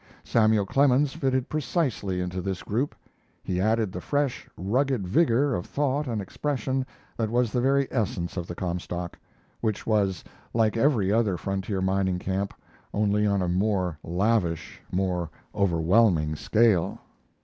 ] Samuel Clemens fitted precisely into this group. He added the fresh, rugged vigor of thought and expression that was the very essence of the Comstock, which was like every other frontier mining camp, only on a more lavish, more overwhelming scale.